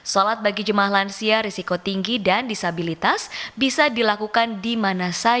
sholat bagi jemaah lansia risiko tinggi dan disabilitas bisa dilakukan